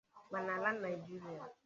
ma n'ala Nigeria